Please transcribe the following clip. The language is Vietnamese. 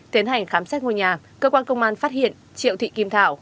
tiến hành khám xét ngôi nhà cơ quan công an phát hiện triệu thị kim thảo